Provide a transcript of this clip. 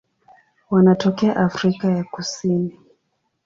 Wanatokea Afrika ya Kusini.